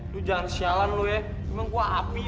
lu jangan sialan lu ya emang gua api